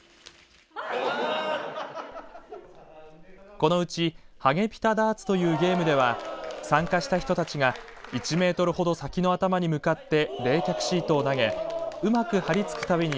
このうちハゲピタダーツというゲームでは参加した人たちが１メートルほど先の頭に向かって冷却シートを投げうまく貼りつくたびに